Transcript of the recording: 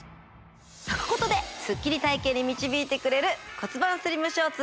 はくことでスッキリ体型に導いてくれる骨盤スリムショーツ